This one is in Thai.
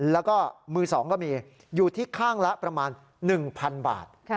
แล้วก็มือ๒ก็มีอยู่ที่ข้างละประมาณ๑๐๐๐บาท